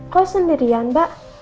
kok sendirian mbak